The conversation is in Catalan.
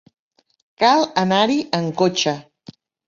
Cal anar-hi amb cotxe.